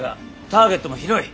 ターゲットも広い！